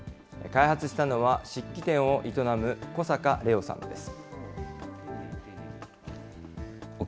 開発したのは漆器店を営む小坂玲央さんです。